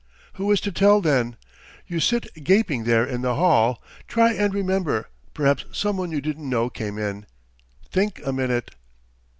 "Who is to tell, then? You sit gaping there in the hall. Try and remember, perhaps someone you didn't know came in? Think a minute!"